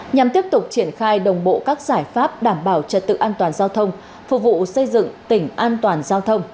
nhằm tiếp tục triển khai đồng bộ các giải pháp đảm bảo trật tự an toàn giao thông phục vụ xây dựng tỉnh an toàn giao thông